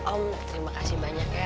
om terima kasih banyak ya